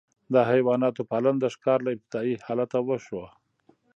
د حیواناتو پالنه د ښکار له ابتدايي حالته وشوه.